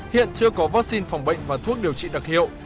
hiện chưa có vaccine phòng bệnh và thuốc điều trị đặc hiệu